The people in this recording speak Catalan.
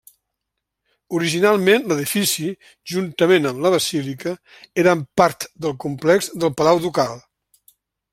Originalment l'edifici, juntament amb la Basílica, eren part del complex del Palau Ducal.